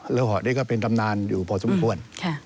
รัวเหาะนี้ก็เป็นธรรมนานอยู่พอสมควร